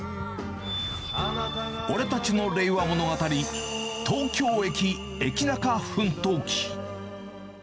俺たちの令和物語、東京駅エキナカ奮闘記。